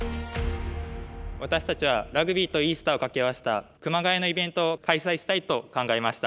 私たちはラグビーとイースターを掛け合わせた熊谷のイベントを開催したいと考えました。